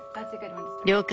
了解。